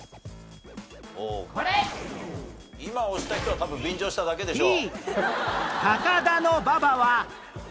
今押した人は多分便乗しただけでしょう。